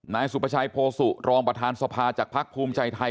นายสุปชัยโภสุรองประธานสภาจากพรรคภูมิใจไทย